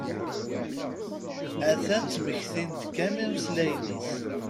A-t-an tettmekti-d kan imeslayen-is.